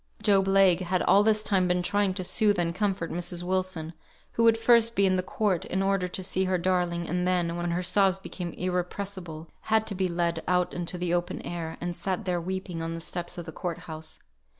Job Legh had all this time been trying to soothe and comfort Mrs. Wilson, who would first be in the court, in order to see her darling, and then, when her sobs became irrepressible, had to be led out into the open air, and sat there weeping, on the steps of the court house.